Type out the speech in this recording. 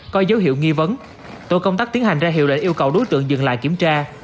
có dấu hiệu nghi vấn tổ công tác tiến hành ra hiệu lệnh yêu cầu đối tượng dừng lại kiểm tra